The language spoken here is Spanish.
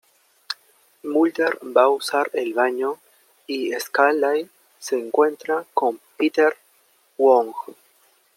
Mulder va a usar el baño y Scully se encuentra con Peter Wong.